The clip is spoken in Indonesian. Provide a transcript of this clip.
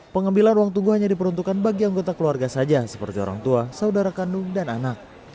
pengambilan uang tunggu hanya diperuntukkan bagi anggota keluarga saja seperti orang tua saudara kandung dan anak